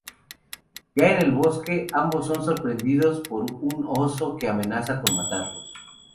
Ya en el bosque, ambos son sorprendidos por un oso que amenaza con matarlos.